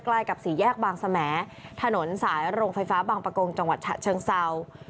ใกล้กับสี่แยกบางสมถนนสายโรงไฟฟ้าบางประกงจังหวัดฉะเชิงเศร้า